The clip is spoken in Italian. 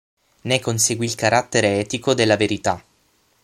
Ne conseguì il carattere etico della verità.